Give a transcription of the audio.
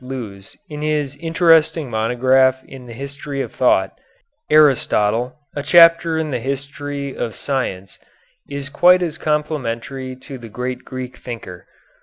Lewes, in his interesting monograph in the history of thought, "Aristotle, a Chapter in the History of Science," is quite as complimentary to the great Greek thinker.